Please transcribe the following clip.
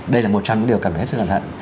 đây là một trong những điều cần hết sức cẩn thận